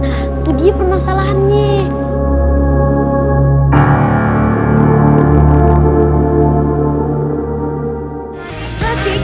nah itu dia permasalahannya